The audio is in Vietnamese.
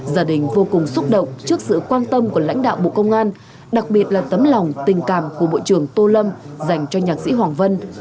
gia đình vô cùng xúc động trước sự quan tâm của lãnh đạo bộ công an đặc biệt là tấm lòng tình cảm của bộ trưởng tô lâm dành cho nhạc sĩ hoàng vân